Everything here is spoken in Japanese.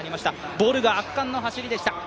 ボルが圧巻の走りでした。